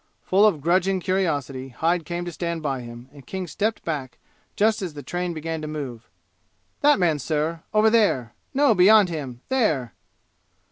Full of grudging curiosity Hyde came to stand by him, and King stepped back just as the train began to move. "That man, sir over there no, beyond him there!"